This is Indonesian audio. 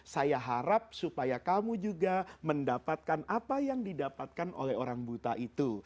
saya harap supaya kamu juga mendapatkan apa yang didapatkan oleh orang buta itu